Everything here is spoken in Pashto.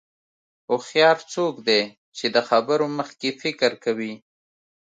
هوښیار څوک دی چې د خبرو مخکې فکر کوي.